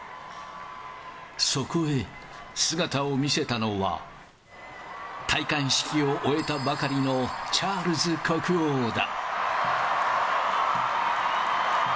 そこへ、姿を見せたのは、戴冠式を終えたばかりのチャールズ国王だ。